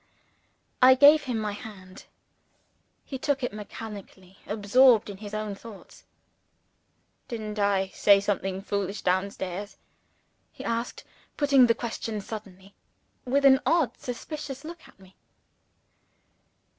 I gave him my hand. He took it mechanically absorbed in his own thoughts. "Didn't I say something foolish down stairs?" he asked, putting the question suddenly, with an odd suspicious look at me.